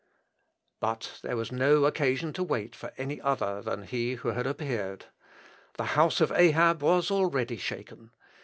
" But there was no occasion to wait for any other than he who had appeared. The house of Ahab was already shaken.